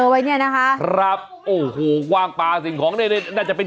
ไว้เนี่ยนะคะครับโอ้โหกว้างปลาสิ่งของเนี่ยน่าจะเป็น